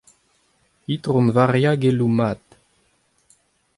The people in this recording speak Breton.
I.V. Geloù Mat.